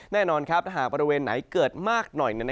แน่นอนครับหากประเทศไหนเกิดมากหน่อย